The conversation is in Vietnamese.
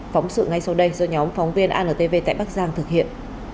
phóng sự ngay sau đây do nhóm phóng viên antv tại bắc giang thực hiện